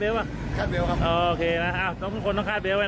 เมื่อวานในกระถิงวัน